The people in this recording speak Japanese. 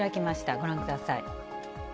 ご覧ください。